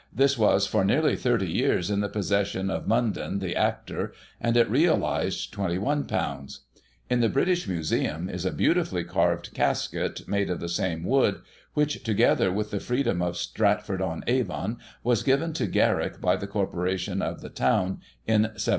This was for nearly 30 years in the possession of Munden, the actor, and it realised £21. In the British Museum is a beautifully carved casket, made of the same wood, which, together with the freedom of Stratford on Avon, was given to Garrick by the Corporation of the town in 1769.